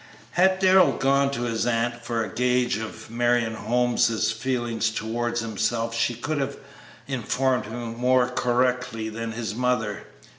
Had Darrell gone to his aunt for a gauge of Marion Holmes's feelings towards himself she could have informed him more correctly than his mother.